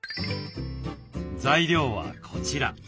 材料はこちら。